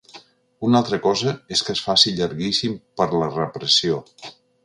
Una altra cosa és que es faci llarguíssim per la repressió.